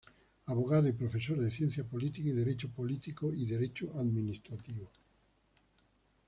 Abogado y profesor de Ciencia Política y Derecho político y Derecho administrativo.